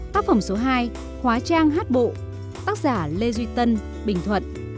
tác phẩm số hai hóa trang hát bộ tác giả lê duy tân bình thuận